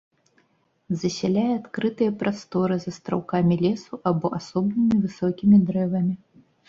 Засяляе адкрытыя прасторы з астраўкамі лесу або асобнымі высокімі дрэвамі.